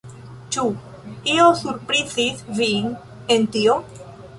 Ĉu io surprizis vin en tio?